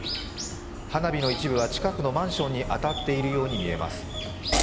花火の一部は近くのマンションに当たっているように見えます。